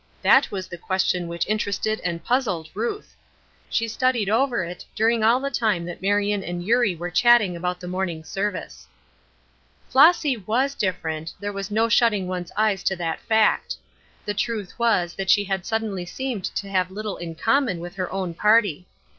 That was the question which interested and puzzled Ruth. She studied over it during all the time that Marion and Eurie were chatting about the morning service. Flossy was different; there was no shutting one's eyes to that fact. The truth was that she had suddenly seemed to have little in common with her own party.